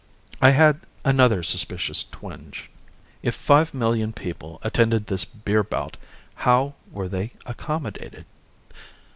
I had another suspicious twinge. If five million people attended this beer bout, how were they accommodated?